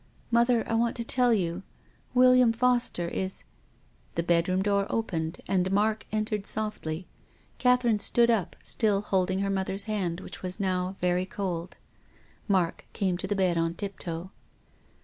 " Mother, I want to tell you. William Foster •»» IS The bedroom door opened and Mark entered softly. Catherine stood up, still holding her mother's hand, which was now very cold. Mark came to the bed on tiptoe.